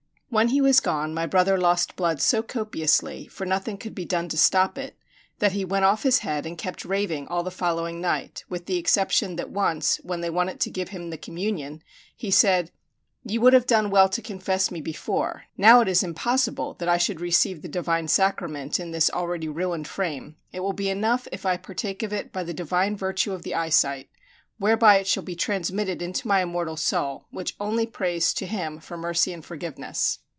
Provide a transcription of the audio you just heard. When he was gone, my brother lost blood so copiously for nothing could be done to stop it that he went off his head and kept raving all the following night, with the exception that once, when they wanted to give him the communion, he said, "You would have done well to confess me before; now it is impossible that I should receive the divine sacrament in this already ruined frame; it will be enough if I partake of it by the divine virtue of the eyesight, whereby it shall be transmitted into my immortal soul, which only prays to Him for mercy and forgiveness."